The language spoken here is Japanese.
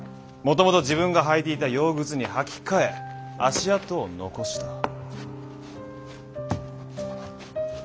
もともと自分が履いていた洋靴に履き替え足跡を残した。